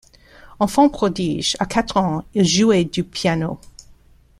Enfant prodige, à quatre ans, il jouait du piano.